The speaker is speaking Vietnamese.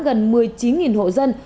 gần một mươi chín hội dân